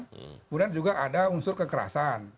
kemudian juga ada unsur kekerasan